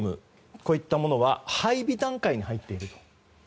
こういったものは配備段階に入っていると。